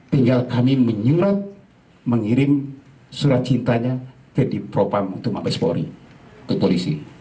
tinggal kami menyurat mengirim surat cintanya ke dipropam untuk mabes pori ke polisi